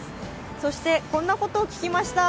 そして、こんなことを聞きました。